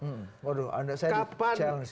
waduh anda saya di challenge